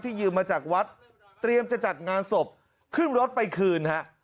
ยืมมาจากวัดเตรียมจะจัดงานศพขึ้นรถไปคืนฮะ